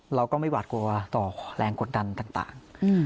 เราก็ไม่หวาดกลัวต่อแรงกดดันต่าง